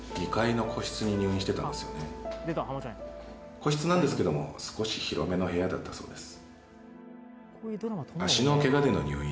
個室なんですけども少し広めの部屋だったそうです